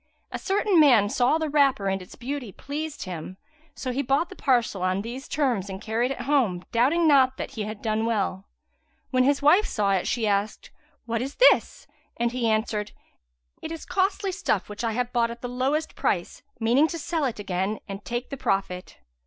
A certain man saw the wrapper and its beauty pleased him; so he bought the parcel on these terms and carried it home, doubting not that he had done well. When his wife saw it she asked, "What is this?" and he answered, "It is costly stuff, which I have bought at lowest price, meaning to sell it again and take the profit."